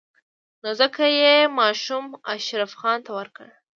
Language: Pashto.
نو ځکه يې ماشوم اشرف خان ته ورکړ.